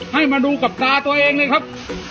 ให้มาดูกับตาตัวเองเลยครับ